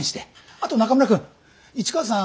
あと中村くん市川さん